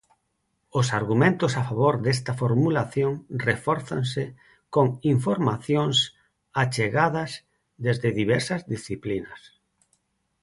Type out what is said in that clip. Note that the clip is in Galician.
Os argumentos a favor desta formulación refórzanse con informacións achegadas desde diversas disciplinas.